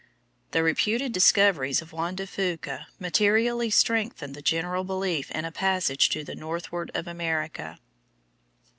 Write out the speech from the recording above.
The reputed discoveries of Juan de Fuca materially strengthened the general belief in a passage to the northward of America.